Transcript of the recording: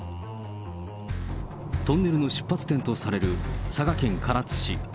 トンネルの出発点とされる佐賀県唐津市。